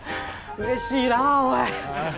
うれしいなぁおい。